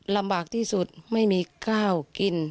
ลำบากที่สุดไม่มีข้าวกิน